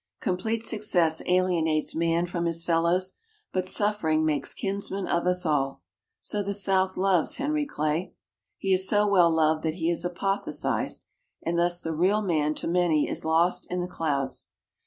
Complete success alienates man from his fellows, but suffering makes kinsmen of us all. So the South loves Henry Clay. He is so well loved that he is apotheosized, and thus the real man to many is lost in the clouds.